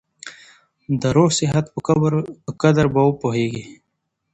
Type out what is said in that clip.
د روغ صحت په قدر به وپوهېږې !